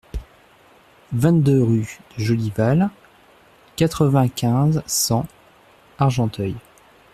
vingt-deux rue de Jolival, quatre-vingt-quinze, cent, Argenteuil